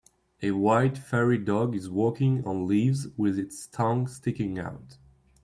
A white furry dog is walking on leaves with its tongue sticking out.